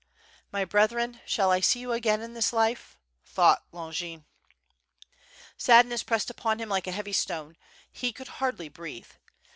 "My brethren, shall I see you again in this life? thought Longin. Sadness pressed upon him like a heavy stone, he could hardly breathe.